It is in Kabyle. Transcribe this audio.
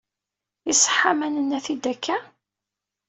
Iṣeḥḥa ma nenna-t-id akka?